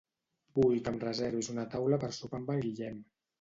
Vull que em reservis una taula per sopar amb el Guillem.